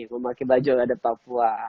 memakai baju adat papua